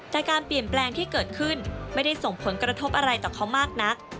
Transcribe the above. แต่การเปลี่ยนแปลงที่เกิดขึ้นไม่ได้ส่งผลกระทบอะไรต่อเขามากนัก